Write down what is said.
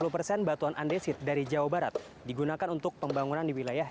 lima puluh persen batuan andesit dari jawa barat digunakan untuk pembangunan di wilayah